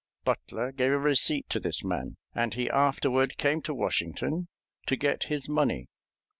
Butler gave a receipt to this man, and he afterward came to Washington to get his money.